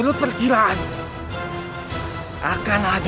ayuh cepat antarkan aku